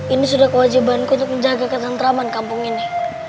ini sudah kewajibanku untuk menjaga ketentraman kampung ini